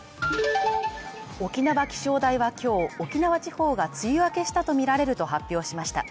沖縄気象台は今日、沖縄地方が梅雨明けしたとみられると発表しました。